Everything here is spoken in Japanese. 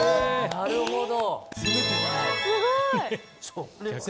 なるほど！